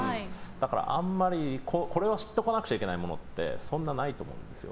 だから、これを知っておかないといけないものってそんなないと思うんですよ。